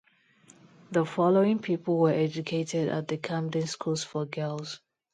The following people were educated at the Camden School for Girls.